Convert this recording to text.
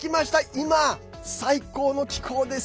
今、最高の気候です。